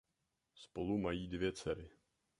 Spolu mají dvě dcery.